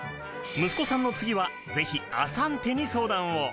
息子さんの次はぜひアサンテに相談を。